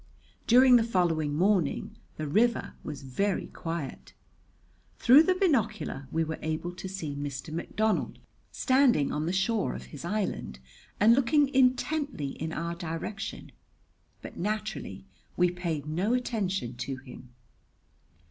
During the following morning the river was very quiet. Through the binocular we were able to see Mr. McDonald standing on the shore of his island and looking intently in our direction, but naturally we paid no attention to him.